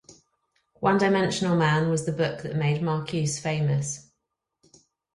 "One-Dimensional Man" was the book that made Marcuse famous.